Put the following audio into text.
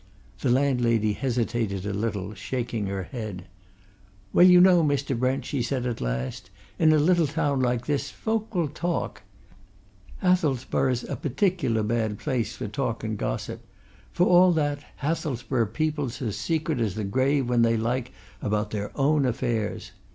The landlady hesitated a little, shaking her head. "Well, you know, Mr. Brent," she said at last, "in a little town like this, folk will talk Hathelsborough's a particular bad place for talk and gossip; for all that, Hathelsborough people's as secret as the grave when they like, about their own affairs.